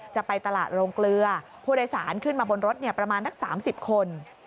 จะไปตลาดโรงเกลือผู้โดยสารขึ้นมาบนรถประมาณนัก๓๐คน